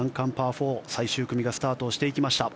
４最終組がスタートしていきました。